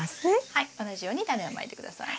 はい同じようにタネをまいて下さい。